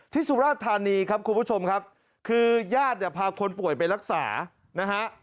สุราธานีครับคุณผู้ชมครับคือญาติเนี่ยพาคนป่วยไปรักษานะฮะ